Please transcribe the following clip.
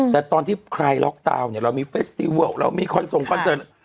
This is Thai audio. แต่ตอนที่ใครล็อกดาวน์เนี่ยเรามีเฟสติเวิลเรามีคอนส่งคอนเสิร์ต